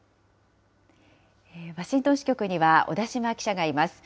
ワシントン支局には小田島記者がいます。